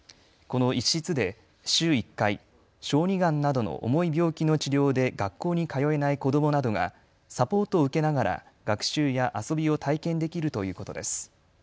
この一室で週１回、小児がんなどの重い病気の治療で学校に通えない子どもなどがサポートを受けながら学習や遊びを体験できるということです。